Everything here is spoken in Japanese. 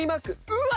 うわ！